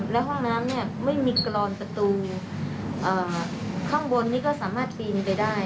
แล้วห้องน้ำเนี่ยไม่มีกรอนประตูข้างบนนี้ก็สามารถปีนไปได้